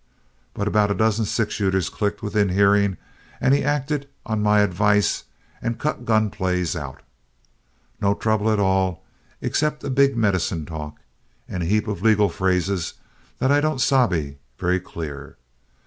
But about a dozen six shooters clicked within hearing, and he acted on my advice and cut gun plays out. No trouble at all except a big medicine talk, and a heap of legal phrases that I don't sabe very clear.